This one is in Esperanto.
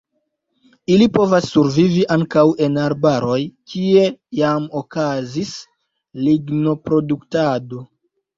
Ili povas survivi ankaŭ en arbaroj kie jam okazis lignoproduktado.